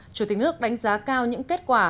chủ tịch nước đánh giá cao những kết quả